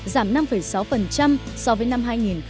giảm năm sáu so với năm hai nghìn một mươi bảy